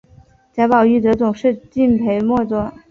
贾宝玉则总是敬陪末座。